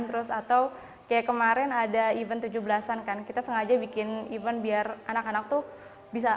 terus atau kayak kemarin ada event tujuh belas an kan kita sengaja bikin event biar anak anak tuh bisa